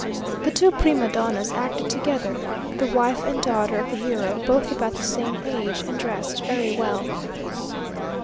The two prima donnas acted together the wife and daughter of the hero both about the same age, and dressed very well.